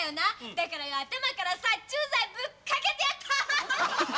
だからよ頭から殺虫剤ぶっかけてやった！